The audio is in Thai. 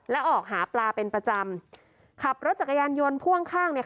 และออกหาปลาเป็นประจำขับรถจักรยานยนต์พ่วงข้าง